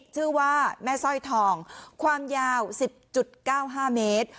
ชื่อว่าแม่สร้อยทองความยาวสิบจุดเก้าห้าเมตร